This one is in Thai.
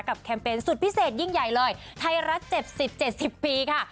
แคมเปญสุดพิเศษยิ่งใหญ่เลยไทยรัฐ๗๐๗๐ปีค่ะ